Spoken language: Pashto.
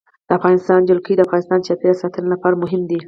د افغانستان جلکو د افغانستان د چاپیریال ساتنې لپاره مهم دي.